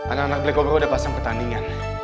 anak anak black obrogo udah pasang pertandingan